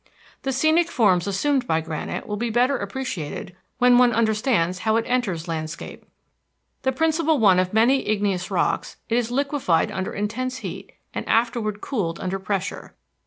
The scenic forms assumed by granite will be better appreciated when one understands how it enters landscape. The principal one of many igneous rocks, it is liquefied under intense heat and afterward cooled under pressure.